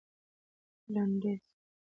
لنډيز